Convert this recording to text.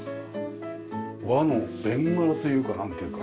和のベンガラというかなんというか。